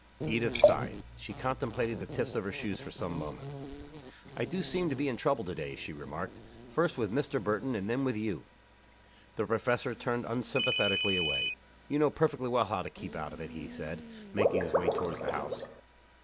Edith sighed. She contemplated the tips of her shoes for some moments. "I do seem to be in trouble to day," she remarked, "first with Mr. Burton and then with you." The professor turned unsympathetically away. "You know perfectly well how to keep out of it," he said, making his way toward the house.